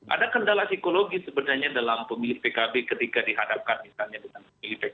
ada kendala psikologis sebenarnya dalam pemilih pkb ketika dihadapkan misalnya dengan pemilih pks